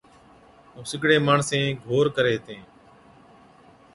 ائُون سِگڙي ماڻسين گھور ڪري ھِتين